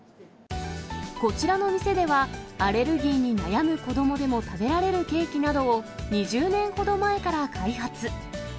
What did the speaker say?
こちらの店では、アレルギーに悩む子どもでも、食べられるケーキなどを２０年ほど前から開発。